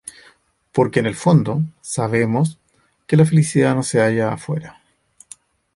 Porque en el fondo, sabemos, que la felicidad no se halla afuera.